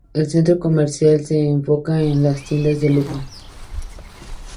El centro comercial se enfoca en las tiendas de lujo.